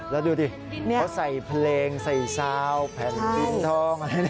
แล้วดูสิเขาใส่เพลงใส่ซาวแผ่นสิ้นทอง